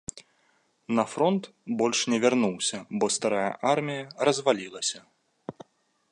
На фронт больш не вярнуўся, бо старая армія развалілася.